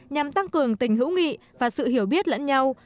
nhằm tăng cường tình hữu nghị và sự hiểu biết lẫn nhau